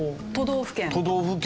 都道府県。